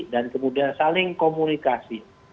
dan kemudian saling komunikasi